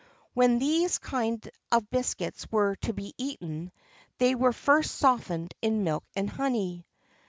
When these kind of biscuits were to be eaten, they were first softened in milk and honey.